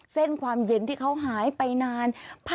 เส้นความเย็นที่เขาหายไปนาน